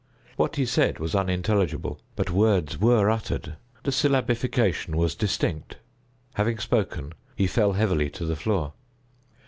What he said was unintelligible, but words were uttered; the syllabification was distinct. Having spoken, he fell heavily to the floor.